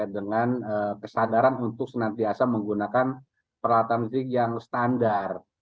dengan kesadaran untuk senantiasa menggunakan peralatan listrik yang standar